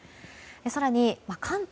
更に、関東